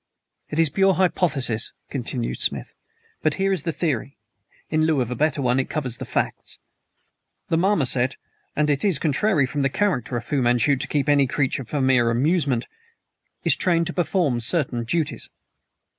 "It is pure hypothesis," continued Smith, "but here is the theory in lieu of a better one it covers the facts. The marmoset and it is contrary from the character of Fu Manchu to keep any creature for mere amusement is trained to perform certain duties.